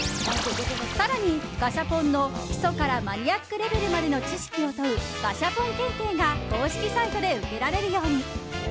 更に、ガシャポンの基礎からマニアックレベルまでの知識を問うガシャポン検定が公式サイトで受けられるように。